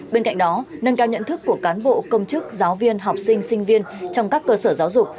bên cạnh đó nâng cao nhận thức của cán bộ công chức giáo viên học sinh sinh viên trong các cơ sở giáo dục